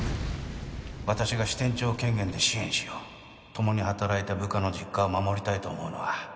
私が支店長権限で支援しようともに働いた部下の実家を守りたいと思うのは